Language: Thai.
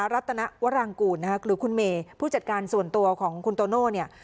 รัตนวรางกูลหรือคุณเมย์ผู้จัดการส่วนตัวของคุณโตโน่เนี่ย